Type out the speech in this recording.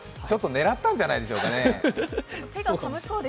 ちょっと狙ったんじゃないでしょうかね。